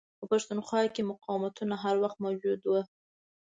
په پښتونخوا کې مقاوتونه هر وخت موجود وه.